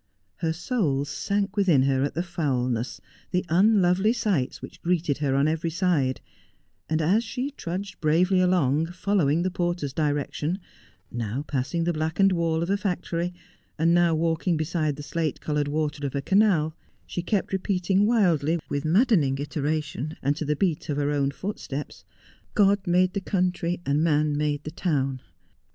Her soul sank within her at the foulness, the unlovely sights which greeted her on every side ; and as she trudged bravely along, following the porter's direction, now passing the blackened wall of a factory, now walking beside the slate coloured water of a canal, she kept repeating wildly with maddening iteration, and to the beat of her own footsteps, —' God made the country and man made the town.'